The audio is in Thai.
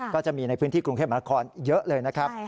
ก็จะมีในพื้นที่กรุงเทพมหานครเยอะเลยนะครับ